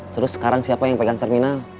terus sekarang siapa yang pegang terminal